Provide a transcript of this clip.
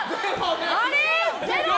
あれ？